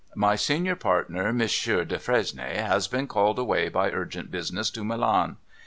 My senior partner, M. Defresnier, has been called away, by urgent business, to Milan.